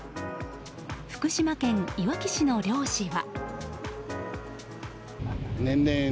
福島県いわき市の漁師は。